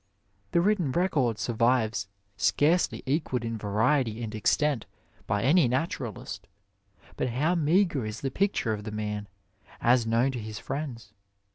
The written record survives, scarcely equalled in variety and extent by any naturalist, but how meagre is the picture of the man as known to his friends.